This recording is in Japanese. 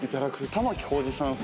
玉置浩二さん風。